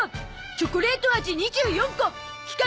チョコレート味２４個期間